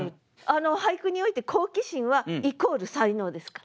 俳句において好奇心はイコール才能ですから。